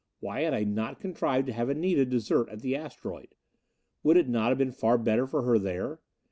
Why had I not contrived to have Anita desert at the asteroid? Would it not have been far better for her there?